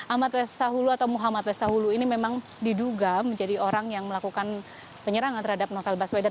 ahmad lestahulu atau muhammad lestahulu ini memang diduga menjadi orang yang melakukan penyerangan terhadap novel baswedan